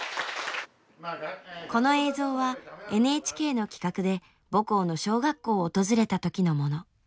この映像はＮＨＫの企画で母校の小学校を訪れた時のもの。